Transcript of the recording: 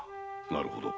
なるほど。